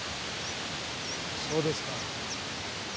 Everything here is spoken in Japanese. そうですか。